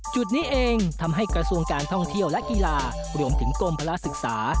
จุดนี้เองทำให้กระทรวงการท่องเที่ยวและกีฬารวมถึงกรมภาระศึกษา